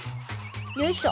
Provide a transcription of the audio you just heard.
よいしょ。